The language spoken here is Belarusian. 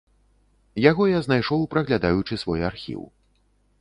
Яго я знайшоў, праглядаючы свой архіў.